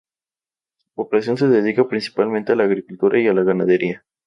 Su población se dedica principalmente a la agricultura y la ganadería.